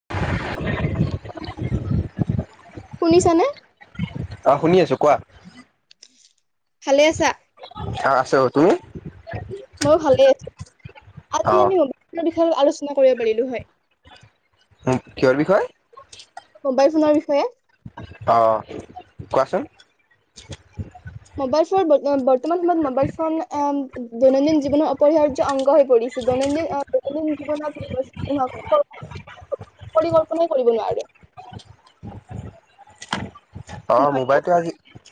[unintelligible] শুনিছানে আহ শুনি আছো কোৱা ভালে আছা অ আছো তুমি মই ভালে আছো। অ আজি আনিব বিস্কুট নাই সেইটো আলোচনা কৰিব পাৰিলো হয়। উম কিহৰ মোবাইল ফোনৰ বিষয়ে? বিষয়ে। অঅঅ কোৱাচোন টিনিনুনি ছিট্ মবাইল ফন [unintelligible] বৰ্তমান সময়ত মোবাইল অম ফোন দৈনন্দিন জীৱনৰ অপৰিহাৰ্য অংগ হৈ পৰিছে দৈনন্দিন- -দৈনন্দিন জীৱনত [unintelligible] পৰিকল্পনাই কৰিব নোৱাৰে। [unintelligible] অহ, নহয়, মোবাইলটো আজি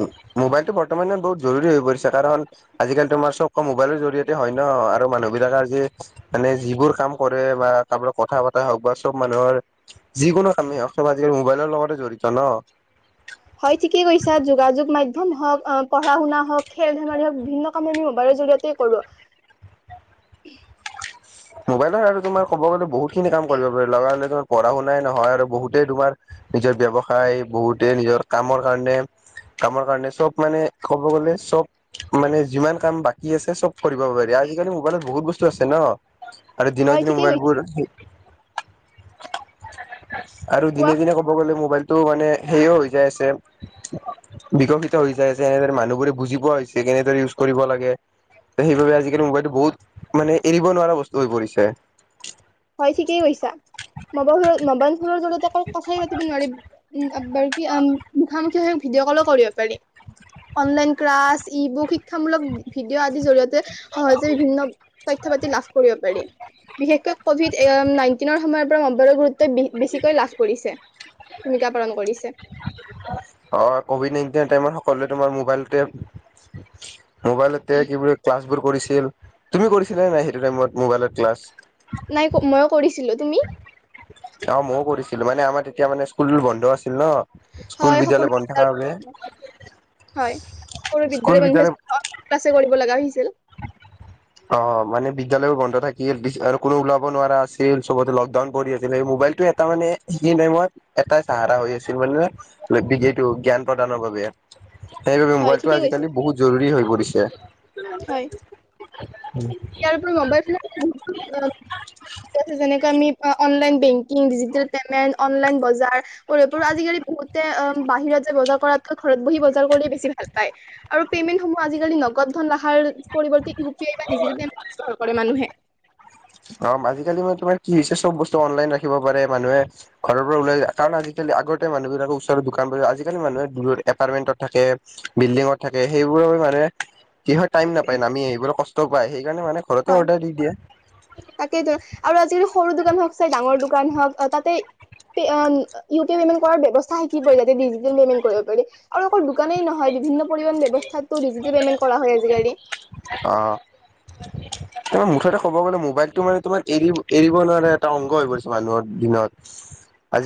উম, মোবাইল টো বৰ্তমানে বহুত জৰুৰী হৈ গৈছে। কাৰণ আজিকালি তোমাৰ চব কাম মোবাইলৰ জৰিয়তে হয় ন আৰু মানুহ বিলাকে আজি মানে যিবোৰ কাম কৰে বা কাৰোবাক কথা পতা হওক বা চব মানুহৰ যিকোনো কামেই হওক চব আজিকালি মোবাইলৰ লগতে জড়িত নহ। হয় ঠিকেই কৈছা যোগাযোগ মাধ্যম হওক পঢ়া শুনা হওক খেল ধেমালি হওক বিভিন্ন কাম আমি মোবাইলৰ জৰিয়তে কৰো। মোবাইলো হয় আৰু তোমাৰ কব গলে বহুত খিনি কাম কৰিব পাৰি লগা হলে চব পঢ়া শুনাই নহয় আৰু বহুতে তোমাৰ নিজৰ ব্যৱসায় বহুতে নিজৰ কামৰ কাৰণে- কামৰ কাৰণে চব মানে কব গলে চব মানে যিমান কাম বাকী আছে চব কৰিব পাৰি আজিকালি মোবাইলত বহুত বস্তু আছে ন। আৰু দিনক হয় দিনে ঠিকেই কৈছা। মোবাইলবোৰ [inaudible] আৰু কোৱা? দিনে- দিনে কব গলে মোবাইল টো মানে সেও হৈ যাই আছে বিকশিত হৈ যাই আছে এনেৰে মানুহ বোৰে বুজি পোৱা হৈছে কেনেদৰে ইউজ কৰিব লাগে সেইবাবে আজিকালি মোবাইলটো বহুত মানে এৰি ৰিব নোৱাৰা বস্তু হৈ পৰিছে। হয় ঠিকেই কৈছা [unintelligible] জৰিয়তে [unintelligible] কথাই পাতিব নোৱাৰিম [unintelligible] মুখামুখি হে ভিডিঅ কলো কৰিব পাৰি অনলাইন ক্লাছ ই বুক শিক্ষামূলক ভিডিঅ আদিৰ জৰিয়তে সহজে বিভিন্ন তথ্য পাতি লাভ কৰিব পাৰি বিশেষকৈ কভিড নাইনটিনৰ সময়ত পৰা মোবাইলৰ গুৰুত ত্বই বেছিকৈ লাভ কৰিছে ভূমিকা পালন কৰিছে। অহ, কভিড নাইনটিনৰ টাইমত সক সকলোৱে তোমাৰ মোবাইলতে মোবাইলতে কি বুলি ক্লাছ বোৰ কৰিছিল তুমি কৰিছিলা নে নাই সেইটো টাইমত মোবাইলত ক্লাছ? নাই মইয়ো কৰিছিলো। তুমি? অহ, ময়ো কৰিছিলো মানে আমাৰ তেতিয়া মানে স্কুল বন্ধ আছিল ন। স্কুল হয় সকলো বন্ধ থকা বিদ্যালয় বাবে [unintelligible] হয় সকলো স্কুল বিদ্যালয় মানুহে অনলাইন ক্লাছে কৰিব লগা হৈছে। [inaudible] অহ, মানে বিদ্যালয়ও বন্ধ থাকিল বিচ কোনো ওলাব নোৱাৰা আছিল চবতে লকডাউন পৰি আছিল সেই মোবাইলটো এটা মানে সেইখিনি টাইমত এটাই চাহাৰা হৈ আছিল মানে [unintelligible] জ্ঞান প্ৰদানৰ বাবে। সেইবাবে হয় মোবাইলটো ঠিকেই কৈছা। আজিকালি বহুত জৰুৰী হৈ পৰিছে। দে [inaudible] ইায়াৰ ওপৰিও ম'বাইল [unintelligible] যেনেকৈ আমি online bank digital payment, online বজাৰ, এইবোৰো আজিকালি বহুতে, অ', বাহিৰত‌ বজাৰ কৰাতকৈ ঘৰত বহি বজাৰ কৰিয়ে বেছি ভাল পায়, আৰু পেমেন্ট আজিকালি নগদ লাখাৰ পৰিৱৰ্তে ইউ পি আই বা দিজিতেলে ব্যৱহাৰ কৰে মানুহে। অ' আজিকালি মানে তোমাৰ কি হৈছে, চব বস্তু অনলাইন ৰাখিব পাৰে মানুহে, ঘৰৰ পৰা ওলাই যায়, কাৰণ আজিকালি আগতে মানুহবিলাকৰ ওচৰৰ দোকান, আজিকালি মানুহে দূৰৰ এপাৰ্টমেন্টত থাকে, বিল্ডিঙত থাকে, সেইবোৰৰ মানুহে কি হয় টাইম নাপায়, নামি এইবোৰো কষ্ট পায়, সেই সেইকাৰণে মানে, ঘৰতে অৰ্ডাৰ দি দিয়ে। তাকেইটো, আৰু আজিকালি সৰু দোকান হওক চাই ডাঙৰ দোকান হ'ক, তাতে ইউ পি পেমেন্ট কৰাৰ ব্যৱস্থা হৈ পৰিলে তাতে ডিজিতেল পেমেন্ট কৰিব পাৰি। আৰু অকল দোকানেই নহয়, বিভিন্ন পৰিবহণ ব্যৱস্থাতো ডিজিটেল পেমেণ্ট কৰা হয়, আজিকালি। অ' তোমাৰ মুঠতে ক'ব গ'লে, মোবাইলটো মানে তোমাৰ, এৰি, এৰিব নোৱাৰা এটা অংশ হৈ পৰিছে, মানুহৰ দিনত।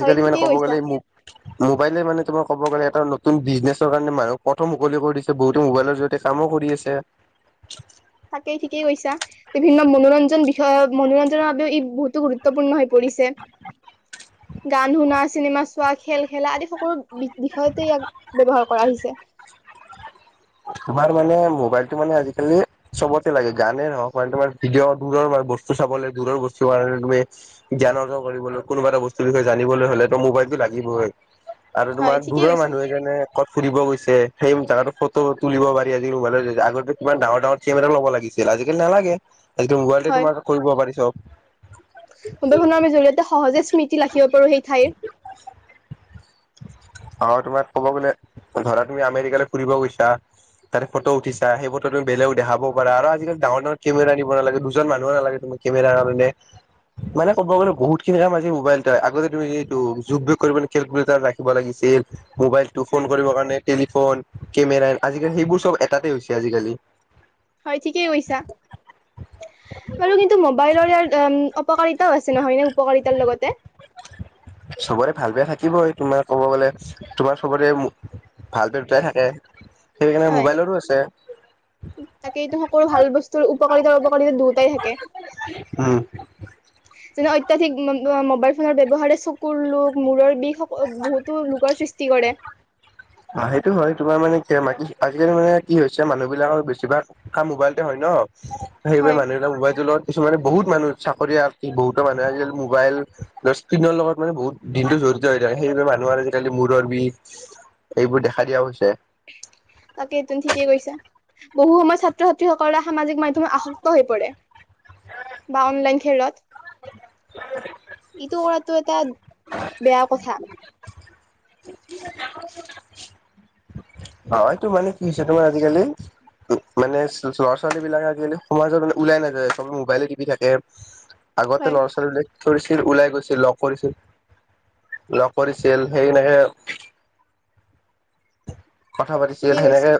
হয়, মানে ঠিকেই ক'ব কৈছা। গ'লে, মোবাইলে মানে তোমাক ক'ব গ'লে এটা নতুন বিজনেছৰ কাৰণে মানুহক পথো মুকলি কৰি দিছে, বহুতে মোবাইলৰ জৰিয়তে কামো কৰি আছে। [unintelligible] তাকেই ঠিকেই কৈছা, বিভিন্ন মনোৰঞ্জন বিষয়ত, মনোৰঞ্জনৰ বাবেও ই বহুতো গুৰুত্বপূৰ্ণ হৈ পৰিছে। গান শুনা, চিনেমা চোৱা, খেল খেলা আদি সকলো বিষয়তে ইয়াক ব্যৱহাৰ কৰা হৈছে। তোমাৰ মানে, মোবাইলতটো মানে, আজিকালি, চবতে লাগে, গানেই নহক মানে তোমাৰ ভিডিঅ', দূৰৰ বস্তু চাবলৈ, দূৰৰ বস্তু কাৰণে তুমি, জ্ঞান অৰ্জন কৰিবলৈ, কোনোবা এটা বস্তুৰ বিষয়ে জানিবলৈ হ'লে তো মোবাইলতটো লাগিবই। আৰু হয় তোমাৰ ঠিকেই দূৰৰ কৈছা মানুহে যেনে, কবাত ফুৰিব গৈছে সেই জেগাটো ফট টো তুলিব পাৰি, আজি কালি মোবাইলৰ, আগতেতো কিমান ডাঙৰ ডাঙৰ কেমেৰা ল'ব লাগিছিল, আজিকালি নালাগে। আজিতো মোবাইলতে হয় তোমাৰ কৰিব পাৰি চব। মোবাইলখনৰ আমি জৰিয়তে সহজে স্মৃতি ৰাখিব পাৰো সেই ঠাইৰ আৰু তোমাৰ ক'ব গলে ধৰা তুমি আমেৰিকালৈ ফুৰিব গৈছা তাতে ফটো উঠিছা, সেই ফটো তুমি বেলেগক দেখাব পাৰা, আৰু আজিকাল ডাঙৰ ডাঙৰ কেমেৰা নিব নালাগে, দুজন মানুহ নালাগে। তোমা কেমেৰাৰে মানে, ক'ব গলে বহুত খিনি কাম আজি মোবাইলত হয়। আগতে তুমি এইটো যুগ বিয়োগ কৰিবলৈ ব লাগিছিল, মোবাইলতটো ফোন হয় কৰিবৰ কাৰণে টেলিফোন, কেমেৰা, আজিকালি সেইবোৰ চব এটাতে হৈছে আজিকালি। হয় ঠিকেই কৈছা। বাৰু কিন্ত ম'বাইল অপকাৰিতাও আছে নহয় নে, উপকাৰিতাৰ লগতে চবৰে ভাল বেয়া থাকিবই তোমাৰ ক'ব গ'লে তোমাৰ চবতে ভাল বেয়া দুয়োটায়ে থাকে। সেইকাৰণে হয় মোবাইলৰো আছে তাকে, এইটো সকলো ভাল বস্তুৰ উপকাৰিতাৰ অপকাৰিতা দুয়োটাই থাকে। উম যেনে অত্যাধিক মোবাইল ফোনৰ ব্যৱহাৰে চকুৰ আৰু মূৰৰ বিষ বহুতো লোকৰ সৃষ্টি কৰে। অ সেইটো হয়, তোমাৰ মানে আজিকালি মানে কি হৈছে মানুহ বিলাকৰ বেছিভাগ কাম মোবাইলতে হয় ন। সেইবাবে হয় মানুহবিলাক মোবাইলটোৰ লগত কিছুমানে বহুত মানুহ চাকৰি আ বহুতো মানুহে আজিকালি মোবাইল, বা স্কিনৰ লগত মানে বহুত দিনত জড়িত হৈ থাকে। সেইবাবে মানুহৰ আজিকালি মূৰৰ বিষ এইবোৰ দেখা দিয়া হৈছে। তাকে এইটো ঠিকেই কৈছা, বহু সময়ত ছাত্ৰ-ছাত্ৰীসকলৰ সামাজিক মাধ্যমত আসক্ত হৈ পৰে। বা অনলাইন খেলত [unintelligible] ইটো কৰাটো এটা বেয়া কথা। [unintelligible] অ' এইটো মানে কি হৈছে, তোমাৰ আজিকালি, উ-মানে ল'ৰা-ছোৱালীবিলাকে আজিকালি সমাজত মানে ওলাই নাযায়, সবে মোবাইলে টিপি থাকে। আগতে হয় ল'ৰা-ছোৱালীবিলাকে ফুৰিছিল, ওলাই গৈছিল, লগ কৰিছিল। লগ কৰিছিল, সেই এনেকে কথা পাতিছিল, ঠিকেই কৈছা সেনেকে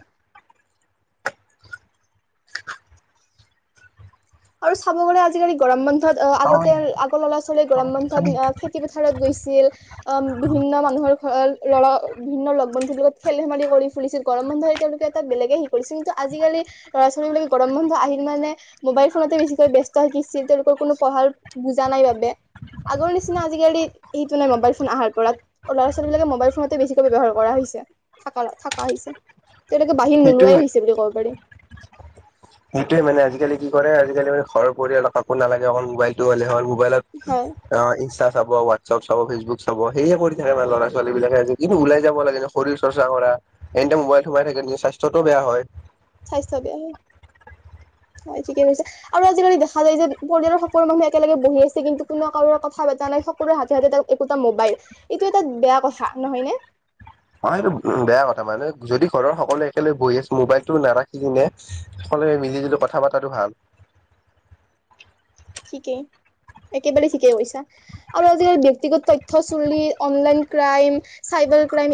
আৰু চাব গ'লে আজি আজিকালি গৰম বন্ধত আহ, আগতে আগৰ ল'ৰা-ছোৱালীয়ে গৰম বন্ধত আ খেতি পথাৰত গৈছিল। অ' বিভিন্ন মানুহৰ ঘৰৰ [unintelligible] বিভিন্ন লগ বন্ধুৰ লগত খেল-ধেমালি কৰিছিল। খুলিছিল। গৰম বন্ধ এতিয়ালৈকে [unintelligible] বেলেগে হেৰি কৰিছিল। কিন্তু আজিকালি, ল'ৰা-ছোৱালীবিলাকে গৰম বন্ধ আহিল মানে, মোবাইল তে বেছিকৈ ব্যস্ত হয় [unintelligible] কোনো পঢ়াৰ বোজা নাই বাবে আগৰ নিচিনা আজিকালি এইটো নাই, মোবাইল ফোন আহাৰ পৰাত ল'ৰা-ছোৱালীবিলাকে মোবাইল ফোনতে বেছিকৈ ব্যৱহাৰ কৰা হৈছে, থ-থাকা হৈছে। তেওঁলোকে বাহিৰ সেইটোয়ে নোলোৱাই হৈছে বুলি ক'ব পাৰি। সেইটোৱে মানে, আজিকালি কি কৰে! আজিকালি মানে ঘৰৰ পৰিয়ালক কাকো নালাগে অকল মোবাইলটো হ'লে হ'ল। লত হয় অ ইনষ্টা চাব, [unintelligible] ব চাব, ফেচবুক চাব, সেয়ে কৰি থাকে মানে ল'ৰা-ছোৱালীবিলাকে। [unintelligible] ওলাই যাব লাগে শৰীৰ চৰ্চা কৰা, এনিটাইম মোবাইলত সোমাই থাকিলে স্বাস্থ্যটোও বেয়া হয়। স্বাস্থ্য বেয়া হয়। হয় ঠিকে কৈছা, আৰু আজিকালি দেখা যায় যে পৰিয়ালৰ সকলো মানুহ একেলগে বহি আছে, কিন্তু কোনো কাৰোৰে কথা পতা নাই। সকলোৰে হাতে-হাতে একোটা মোবাইল, এইটো এটা বেয়া কথা নহয় নে? অ' সেইটো বেয়া কথা। মানে, যদি ঘৰৰ সকলোৱে একেলেগে বহি আছে, মোবাইলটো নাৰাখি কিনে সকলোৱে মিলিজুলি কথা পাতাতো ভাল। ঠিকেই। একেবাৰে ঠিকেই কৈছা। আৰু আজিকালি ব্যক্তিগত তথ্য [unintelligible] অনলাইন ক্ৰাইম, চাইবাৰ ক্ৰাইম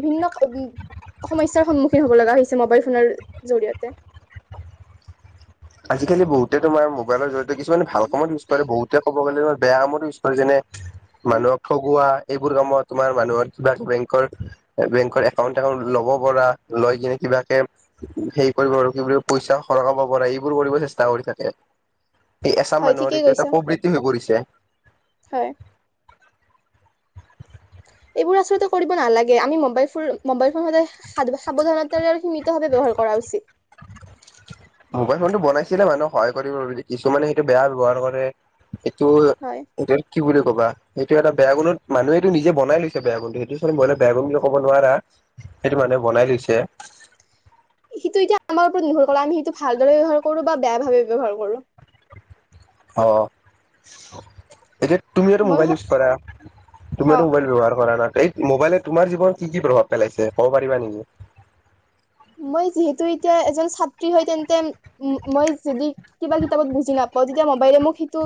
বিভিন্ন উ-সমস্যাৰ সন্মুখীন হ'ব লগা হৈছে, মোবাইলফোনৰ জৰিয়তে। আজিকালি বহুতে তোমাৰ মোবাইলৰ জৰিয়তে কিছুমানে ভাল কামত ইউজ কৰে, বহুতে ক'ব গ'লে বেয়া [unintelligible] ইউজ কৰে, যেনে মানুহক ঠগুৱা এইবোৰ কামত তোমাৰ মানুহৰ কিবা বেংকৰ, বেংকৰ একাউন্ট [unintelligible] ল'ব পৰা। লৈ কিনে কিবাকে হেৰি কৰিব প বুলি পইচা সৰকাব পৰা। কৰিব চেষ্টা কৰি থাকে। এই এচাম হয় মানুহৰ ঠিকেই এইটো এটা কৈছা প্ৰবৃত্তি হৈ পৰিছে। হয়। এইবোৰ আচলতে কৰিব নালাগে, আমি মোবাইল ফোন, মোবাইল ফোন সদায় সাৱধানতাৰে আৰু সীমিতভাৱে ব্যৱহাৰ কৰা উচিত। মোবাইল ফোনটো বনাইছিলে মানুহক সহায় কৰিব বুলি, কিছুমানে সেইটো বেয়া ব্যৱহাৰ কৰে। হয় এইটো দেকিিব [unintelligible] কবা সেইটো এটা বেয়া গুণত মানুহে এইটো নিজে বনাই লৈছে বেয়া গুণটো সেইটো চালে বেয়া গুণ বুলি ক'ব নোৱাৰা, সেইটো মানুহে বনাই লৈছে। সিটো এতিয়া আমাৰ ওপৰত নোহৰ আমি সেইটো ভালদৰে ব্য্ৱহাৰ কৰো বা বেয়া ভাবেে ব্যৱহাৰ কৰো। অ, এ। তুমি আৰু মই মোবাইল ইউজ কৰা, তুমি হা আৰু মোবাইল ব্যৱহাৰ কৰা না। এই মোবাইলে তোমাৰ জীৱন কি কি প্ৰভাৱ পেলাইছে ক'ব পাৰিবা নেকি? মই যিহেতু এতিয়া এজন ছাত্ৰী হয়, তেন্তে মই যদি কিবা কিতাপত বুজি নাপাওঁ তেতিয়া মোবাইলে মোক সেইটো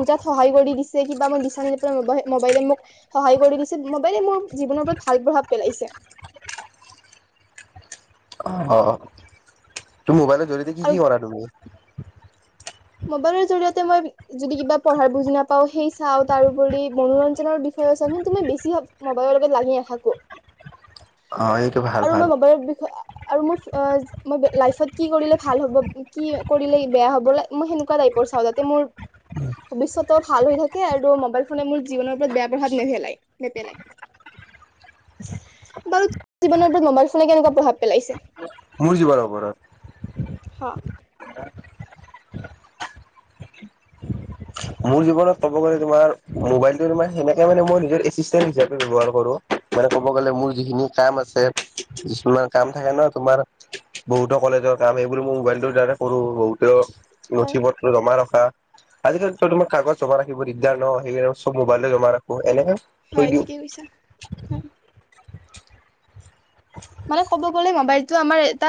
বুজাত সহায় কৰি দিছে কিবা মই বিচাৰি নাপেলাই মোবাইলে মোক। সহায় কৰি দিছে, মোবাইলে মোৰ। জীৱনৰ ওপৰত ভাল প্ৰভাৱ পেলাইছে। অ অ, তোৰ মোবাইলত, জদিতে কি আৰু কি কৰা [unintelligible] মোবাইলৰ জৰিয়তে মই যদি কিবা পঢ়াৰ বুজ নাপাওঁ সেই চাওঁ তাৰোপৰি মনোৰঞ্জনৰ বিষয়ে চাওঁ কিন্তু মই বেছি মবাইলৰ লগত লাগি নাথাকো। অ এইটো ভাল আৰু, ভাল। মই মবাইলৰ বিষয়ে আৰু মোৰ মই লাইফত। কি কৰিলে ভাল হ'ব, কি কৰিলে বেয়া হ'ব ল। [inaudible] মোৰ যিবাৰ খবৰৰত। [unintelligible] অহ। মোৰ জীৱনত ক'ব গলে তোমাৰ মোবাইল সেনেকে মানে মই নিজৰ এচিষ্টেণ্ট হিচাপে ব্যৱহাৰ কৰো, মানে কব গলে মোৰ যিখিনি কাম আছে যিছুমান কাম থাকে ন, তোমাৰ বহুতো কলেজৰ কাম সেইবোৰ মই মোবাইলটোৰ দাৰ কৰো বুত। হয় নথি পত্ৰ জমা ৰখা। আজি কালি । তোমাৰ, কাগজ জমা ৰাখিব দিগদাৰ ন সেই চব মোবাইলে জমা ৰাখো এনেহে। হয় ঠিকে কৈছা। মানে ক'ব গ'লে মোবাইল। টো আমাৰ এটা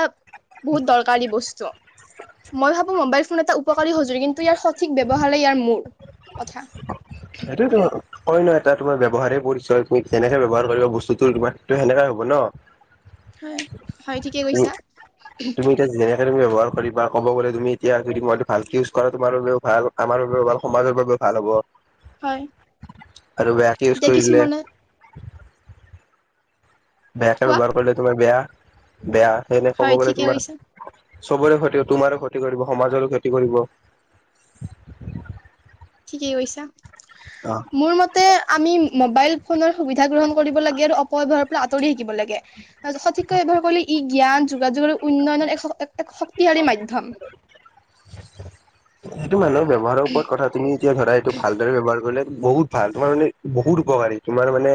বহুত দৰকাৰী বস্তু। মই ভাবোঁ মোবাইল ফোন এটা উপকাৰী সঁজৰি কিন্তু ইয়াৰ সঠিক ব্যৱহাৰেই ইয়াৰ মূৰ কথা। সেইটোয়তো। হয়ই ন, এটা তোমাৰ ব্যৱহাৰেই পৰিছয় তুমি যেনেকে ব্যৱহাৰ কৰিব বস্তুতো তোমাৰটো সেনেকাই হ'ব ন। হয়। হয় ঠিকে তুমি কৈছা। তুমি এতিয়া তুমি, যেনেকে ব্যয়হাৰ কৰিবা ক'ব গ'লে তুমি এতিয়া যদি মই ভালকৈ ইউজ কৰা তোমাৰ বাবেও ভাল, আমাৰ বাবেও ভাল সমাজৰ বাবেও ভাল হ'ব। হয়। আৰু বেয়াকে ইউজ এতিয়া কৰিলে। কিছুমানে বেয়াকে কোৱা ব্যৱহাৰ কৰিলে তোমাৰ বেয়া। বেয়া। সেইনেকে ক'ব হয় গ'লে ঠিকে তোমাৰ। কৈছা চবৰে ক্ষতি- তোমাৰো ক্ষতি কৰিব, সমাজৰো ক্ষতি কৰিব। ঠিকেই কৈছা। অ মোৰ মতে আমি মোবাইল ফোনৰ সুবি ধা গ্ৰহণ কৰিব লাগে আৰু অপব্যৱহাৰৰ পৰা আ তৰি থাকিব লাগ গে। সঠিককৈ ব্যৱহাৰ কৰিলে ই জ্ঞান যোগাযোগৰ উন্নয়নৰ এক স- এ এক শক্তিশালী মাধ্যম। সেইটো মানুহৰ ব্যৱহাৰৰ ওপৰত কথা । তুমি এতিয়া ধৰা এইটো ভালদৰে ব্যৱহাৰ কৰিলে বহুত ভাল। তোমাৰ মানে বহুত উপকাৰী। তোমাৰ মানে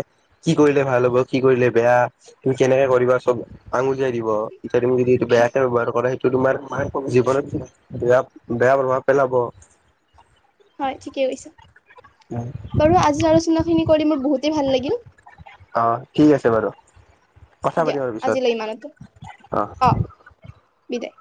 কি কৰিলে ভাল হ'ব, কি কৰিলে বেয়া, তুমি কেনেকে কৰিবা, চব আঙুলিয়াই দিব। এতিয়া তুমি যদি এইটো বেয়াকে ব্যহাৰ কৰা তো তোমাৰ জীৱনত বেয়া- বেয়া প্ৰভাৱ পেলাব। হয়, ঠিকেই কৈছা। বাৰু আজিৰ আলোচনাখিনি কৰি মোৰ বহুতে ভাল লাগিল। অ' ঠিক আছে বাৰু। কথা দিয়া পাতিবা পিছত আজিলৈ ইমানতে । অ'। বিদায়।